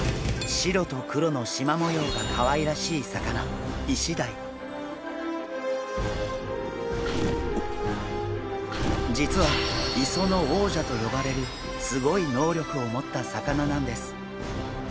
白と黒のしま模様がかわいらしい魚実は磯の王者と呼ばれるすごい能力を持った魚なんです！